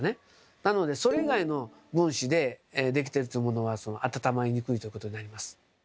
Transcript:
なのでそれ以外の分子でできてるっていうものは温まりにくいということになります。